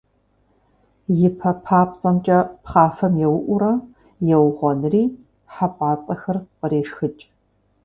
И пэ папцӀэмкӀэ пхъафэм еуӀуурэ, еугъуэнри, хьэпӀацӀэхэр кърешхыкӏ.